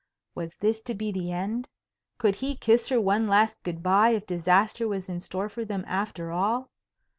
Was this to be the end? Could he kiss her one last good by if disaster was in store for them after all?